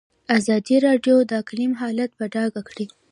ازادي راډیو د اقلیم حالت په ډاګه کړی.